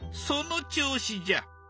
その調子じゃ。